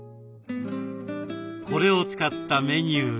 これを使ったメニューが。